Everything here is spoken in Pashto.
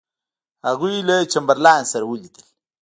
هغوی له چمبرلاین سره ولیدل.